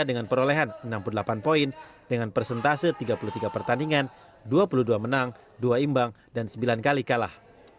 dengan perolehan enam puluh delapan poin dengan persentase tiga puluh tiga pertandingan dua puluh dua menang dua imbang dan sembilan kali kalah